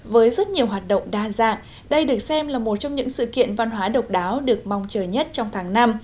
với rất nhiều hoạt động đa dạng đây được xem là một trong những sự kiện văn hóa độc đáo được mong chờ nhất trong tháng năm